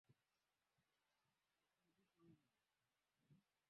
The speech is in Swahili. ya uchafuzi wa hewa kama ilivyoshuhudiwa awali hukoaina mpya za nishati